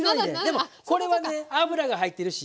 でもこれはね油が入ってるし。